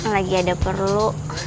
lagi ada perlu